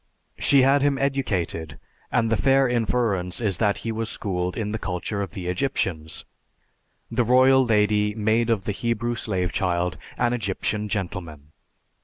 She had him educated and the fair inference is that he was schooled in the culture of the Egyptians. The royal lady made of the Hebrew slave child an Egyptian gentleman.